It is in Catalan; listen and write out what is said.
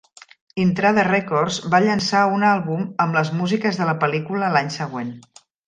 Intrada Records va llançar un àlbum amb les músiques de la pel·lícula l'any següent.